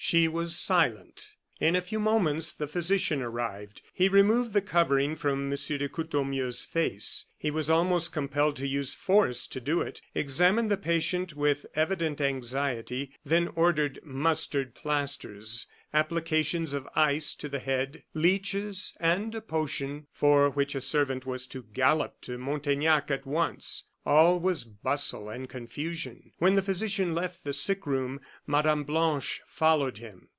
She was silent. In a few moments the physician arrived. He removed the covering from M. de Courtornieu's face he was almost compelled to use force to do it examined the patient with evident anxiety, then ordered mustard plasters, applications of ice to the head, leeches, and a potion, for which a servant was to gallop to Montaignac at once. All was bustle and confusion. When the physician left the sick room, Mme. Blanche followed him.